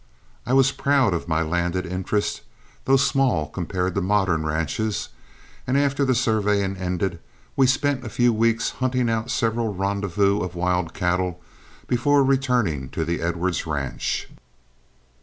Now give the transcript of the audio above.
I was proud of my landed interest, though small compared to modern ranches; and after the surveying ended, we spent a few weeks hunting out several rendezvous of wild cattle before returning to the Edwards ranch.